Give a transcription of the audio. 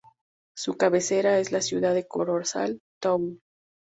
Su cabecera es la ciudad de Corozal Town.